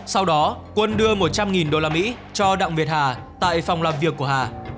sau đó quân đưa một trăm linh usd cho đặng việt hà tại phòng làm việc của hà